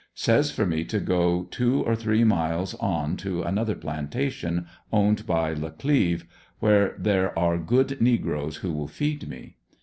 Says for me to go two or three miles on to another plantation owned by LeCleye, where there are good negroes who will feed me.